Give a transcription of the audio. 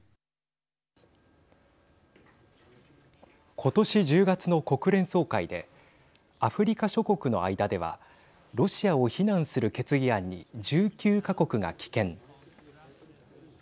今年１０月の国連総会でアフリカ諸国の間ではロシアを非難する決議案に１９か国が棄権。